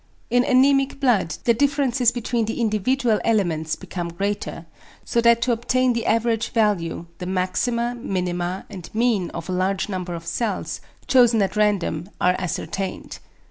In anæmic blood the differences between the individual elements become greater, so that to obtain the average value, the maxima, minima, and mean of a large number of cells, chosen at random, are ascertained.